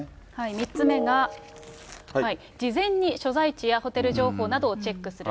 ３つ目が、事前に所在地やホテル情報などをチェックする。